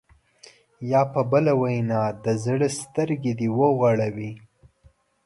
یا په بله وینا د زړه سترګې دې وغړوي.